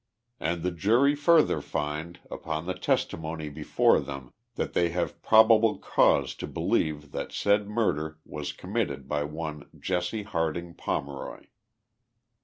Aud the jury further find, upon the testimony before them, that they have probable cause to believe that said murder was committed by one Jesse Harding Pomeroy.